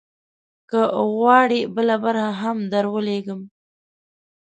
که وغواړې، بله برخه هم درولیږم.